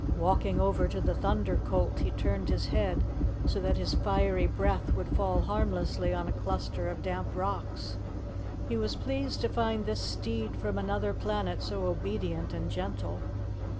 Walking over to the Thunder Colt, he turned his head so that his fiery breath would fall harmlessly on a cluster of damp rocks. He was pleased to find this steed from another planet so obedient and gentle.